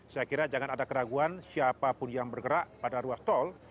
saya kira jangan ada keraguan siapapun yang bergerak pada ruas tol